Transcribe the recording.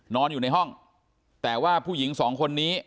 นอนอยู่ในห้องแต่ว่าผู้หญิงสองคนนี้